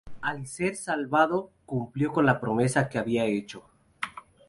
Al ser salvado cumplió la promesa que había hecho.